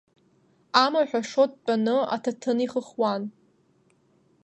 Амаҳә Ашоҭ дтәаны аҭаҭын ихыхуан.